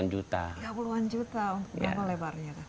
tiga puluh an juta berapa lebarnya